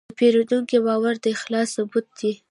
د پیرودونکي باور د اخلاص ثبوت دی.